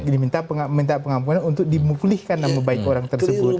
diminta pengampunan untuk dimulihkan nama baik orang tersebut